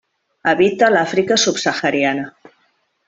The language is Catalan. Habita l'Àfrica subsahariana.